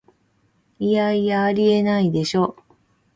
いやいや、ありえないでしょ